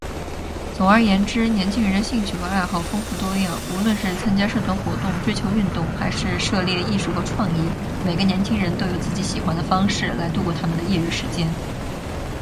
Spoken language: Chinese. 总而言之，年轻人的兴趣和爱好丰富多样。无论是参加社团活动、追求运动，还是涉猎艺术和创意，每个年轻人都有自己喜欢的方式来度过他们的业余时间。